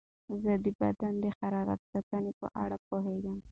زه د بدن د حرارت ساتنې په اړه پوهېږم.